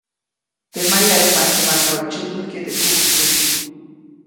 Teʼ mayarumaʼiste makabäʼ tsyämbäjkye teʼ kuʼtkuʼy.